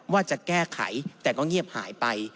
ว่าจะแก้ไขแต่ก็เงียบหายไป